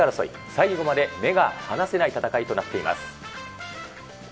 最後まで目が離せない戦いとなっています。